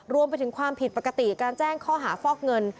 รวมไปถึงความผิดปกติการแจ้งข้อหาฟอกเงิน